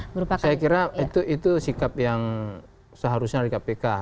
saya kira itu sikap yang seharusnya dari kpk